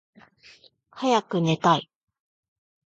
はやくねたい。